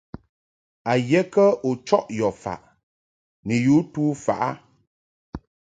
A ye kə u chɔʼ yɔ faʼ ni yu tu faʼ ?